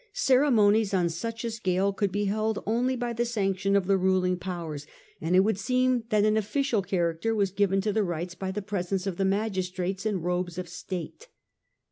Ceremonies on such a scale could be held only by the sanction of the ruling powers, and it would seem that an official character was given to the rites by the presence of the magistrates in robes of state.